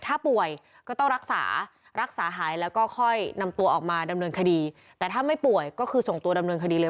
ถ้าป่วยก็ต้องรักษารักษาหายแล้วก็ค่อยนำตัวออกมาดำเนินคดีแต่ถ้าไม่ป่วยก็คือส่งตัวดำเนินคดีเลย